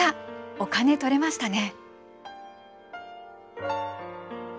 お金取れましたね！